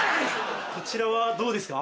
こちらはどうですか？